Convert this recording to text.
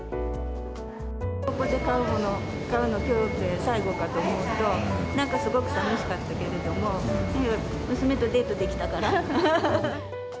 ここで買うのもきょうで最後かと思うと、なんかすごくさみしかったけれども、娘とデートできたから。